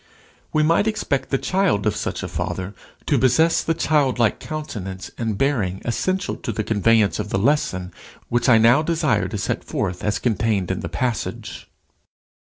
We might expect the child of such a father to possess the childlike countenance and bearing essential to the conveyance of the lesson which I now desire to set forth as contained in the passage.